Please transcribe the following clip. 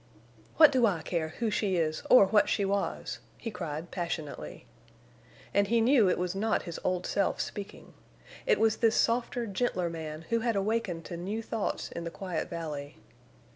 "What do I care who she is or what she was!" he cried, passionately. And he knew it was not his old self speaking. It was this softer, gentler man who had awakened to new thoughts in the quiet valley.